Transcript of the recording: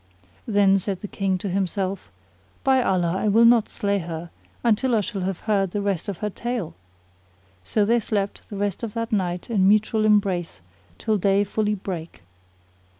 Then said the King in himself, "By Allah, I will not slay her, until I shall have heard the rest of her tale." So they slept the rest of that night in mutual embrace till day fully brake.